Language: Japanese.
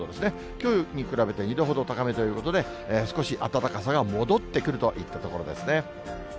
きょうに比べて２度ほど高めということで、少し暖かさが戻ってくるといったところですね。